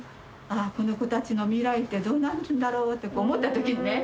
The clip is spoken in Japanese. ああこの子たちの未来ってどうなるんだろうって思った時にね